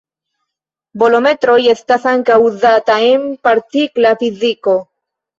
Bolometroj estas ankaŭ uzata en partikla fiziko.